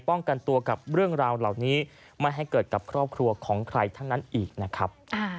กันตัวกับเรื่องราวเหล่านี้ไม่ให้เกิดกับครอบครัวของใครทั้งนั้นอีกนะครับ